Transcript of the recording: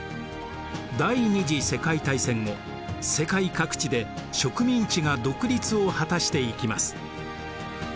第二次世界大戦後世界各地で植民地が独立を果たしていきます。